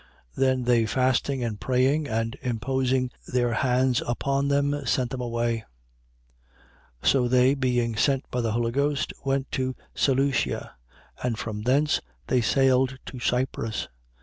13:3. Then they fasting and praying and imposing their hands upon them, sent them away. 13:4. So they, being sent by the Holy Ghost, went to Seleucia: and from thence they sailed to Cyprus.